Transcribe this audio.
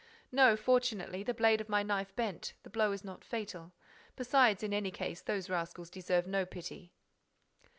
"No, fortunately, the blade of my knife bent: the blow is not fatal. Besides, in any case, those rascals deserve no pity."